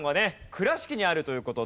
倉敷にあるという事で。